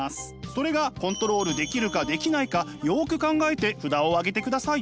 それがコントロールできるかできないかよく考えて札を上げてください。